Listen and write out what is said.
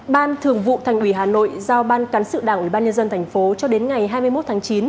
ban thường vụ thành ủy hà nội giao ban cán sự đảng ubnd tp cho đến ngày hai mươi một tháng chín